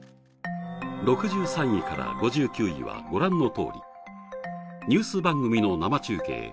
６３位から５９位はご覧のとおりニュース番組の生中継